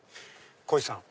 こひさん。